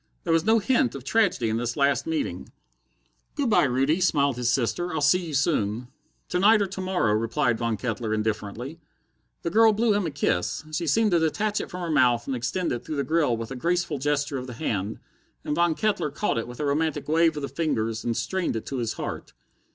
There was no hint of tragedy in this last meeting. "Good by, Rudy," smiled his sister, "I'll see you soon." "To night or to morrow," replied Von Kettler indifferently. The girl blew him a kiss. She seemed to detach it from her mouth and extend it through the grill with a graceful gesture of the hand, and Von Kettler caught it with a romantic wave of the fingers and strained it to his heart.